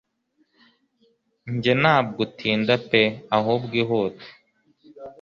Njye ntabwo utinda pe ahubwo ihute